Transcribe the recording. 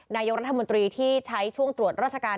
นายกรัฐมนตรีที่ใช้ช่วงตรวจราชการ